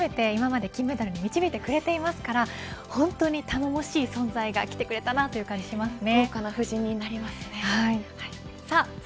鈴木選手ずっと４番を務めて今まで金メダルに導いてくれていますから本当に頼もしい存在が来てくれたなという感じしますね。